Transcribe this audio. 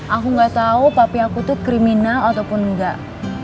aku gak tau papi aku tuh kriminal ataupun enggak